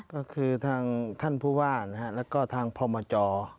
ก็คือทางท่านผู้ว่าแล้วก็ทางพมจ